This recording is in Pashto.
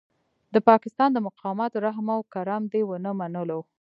د پاکستان د مقاماتو رحم او کرم دې ونه منلو.